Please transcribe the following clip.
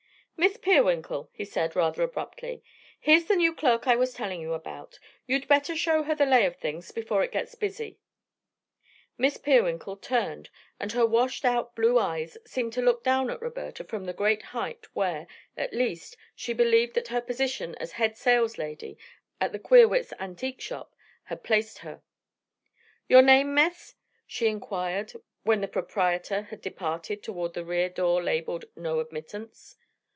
"Miss Peerwinkle," he said rather abruptly, "here's the new clerk I was telling you about. You'd better show her the lay of things before it gets busy." Miss Peerwinkle turned, and her washed out blue eyes seemed to look down at Roberta from the great height where, at least, she believed that her position as head saleslady at the Queerwitz antique shop had placed her. "Your name, Miss?" she inquired when the proprietor had departed toward a rear door labeled "No admittance."